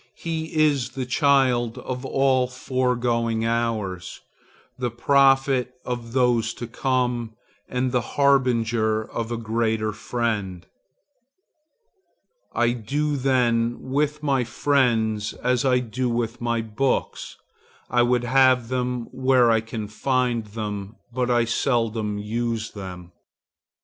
He is the child of all my foregoing hours, the prophet of those to come, and the harbinger of a greater friend. I do then with my friends as I do with my books. I would have them where I can find them, but I seldom use them.